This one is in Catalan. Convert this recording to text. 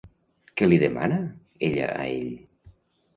Què li demana ella a ell?